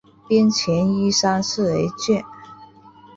边墙依山势而建。